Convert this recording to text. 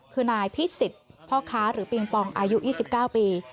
คือนายพิสิทธิ์พ่อค้าหรือปิงปองอายุ๒๙ปี